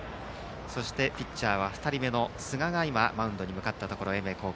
そしてピッチャーは、２人目の寿賀が今マウンドに向かったところ。